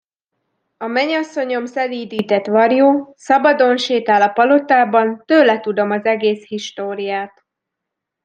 A menyasszonyom szelídített varjú, szabadon sétál a palotában, tőle tudom az egész históriát.